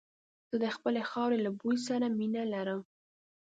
زه د خپلې خاورې له بوی سره مينه لرم.